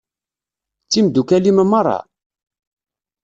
D timdukal-im merra?